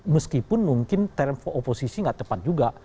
meskipun mungkin termfo oposisi nggak tepat juga